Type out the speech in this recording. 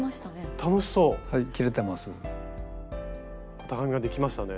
型紙ができましたね。